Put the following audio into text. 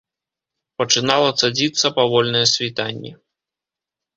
Пачынала цадзіцца павольнае світанне.